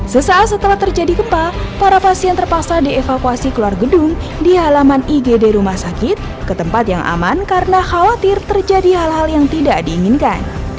sesaat setelah terjadi gempa para pasien terpaksa dievakuasi keluar gedung di halaman igd rumah sakit ke tempat yang aman karena khawatir terjadi hal hal yang tidak diinginkan